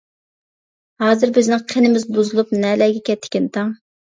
ھازىر بىزنىڭ قېنىمىز بۇزۇلۇپ نەلەرگە كەتتىكىن تاڭ.